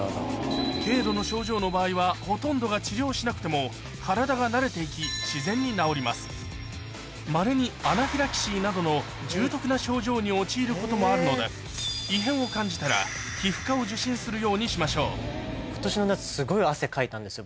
軽度の症状の場合はほとんどが治療しなくても体が慣れていきまれにアナフィラキシーなどの重篤な症状に陥ることもあるので異変を感じたら皮膚科を受診するようにしましょうかいたんですよ